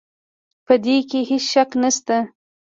په دې کې هيڅ شک نشته